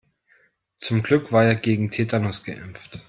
Zum Glück war er gegen Tetanus geimpft.